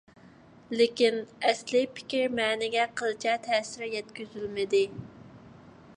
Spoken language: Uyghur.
لېكىن، ئەسلىي پىكىر، مەنىگە قىلچە تەسىر يەتكۈزۈلمىدى.